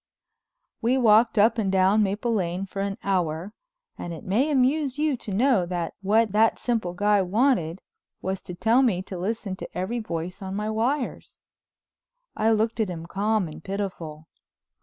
We walked up and down Maple Lane for an hour, and it may amuse you to know that what that simple guy wanted was to tell me to listen to every voice on my wires. I looked at him calm and pitiful.